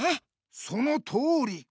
そのとおり。